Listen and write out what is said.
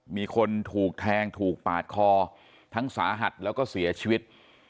มีคนถูกแทงถูกปาดคอทั้งสาหัสแล้วก็เสียชีวิต